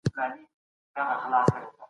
د ماشوم د خوب وخت تنظیم کړئ.